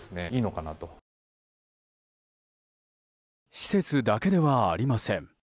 施設だけではありません。